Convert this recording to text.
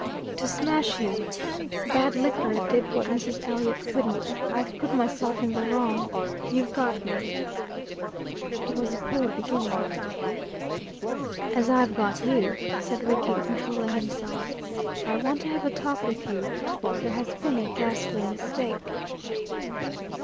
"To smash you. Bad liquor did what Mrs. Elliot couldn't. I've put myself in the wrong. You've got me." It was a poor beginning. "As I have got you," said Rickie, controlling himself, "I want to have a talk with you. There has been a ghastly mistake."